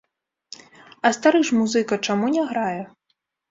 А стары ж музыка чаму не грае?